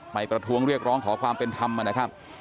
ประท้วงเรียกร้องขอความเป็นธรรมนะครับ